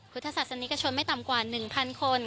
พุทธศาสตร์สันนี้กระชนไม่ต่ำกว่า๑๐๐๐คน